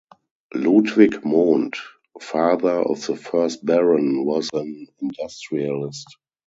Ludwig Mond, father of the first Baron, was an industrialist.